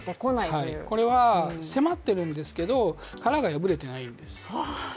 これは迫っているんですけど、殻が破れていないです。